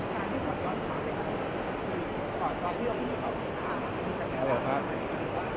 การที่ผ่อนก่อนของมันเป็นอะไรคือก่อนตอนที่มันไม่มีก่อนของมันค่ะ